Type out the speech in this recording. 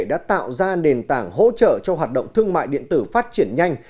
đã tạo ra nền tảng hỗ trợ cho hoạt động thương mại điện tử phát triển nhanh